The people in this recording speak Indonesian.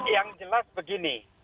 yang jelas begini